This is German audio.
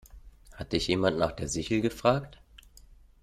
Hat dich jemand nach der Sichel gefragt?